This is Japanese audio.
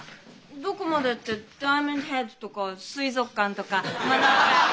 どこまでってダイヤモンドヘッドとか水族館とか。